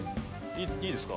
いいですか？